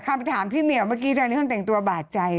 ความถามที่เหนียวเมื่อกี้ตรงนี้เขาต้องแต่งตัวบาดใจ